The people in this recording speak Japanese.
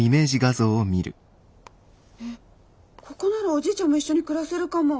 ここならおじいちゃんも一緒に暮らせるかも。